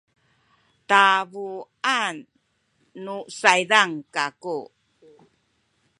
tabuan nu saydan kaku